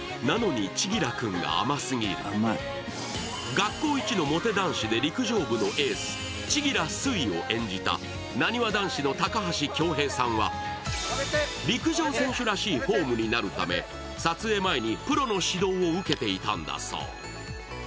学校一のモテ男子で陸上のエース、千輝彗を演じた、なにわ男子の高橋恭平さんは、陸上選手らしいフォームになるため、撮影前にプロの指導を受けていたんだそう。